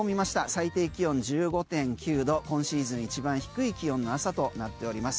最低気温１５．９度今シーズン一番低い気温の朝となっております。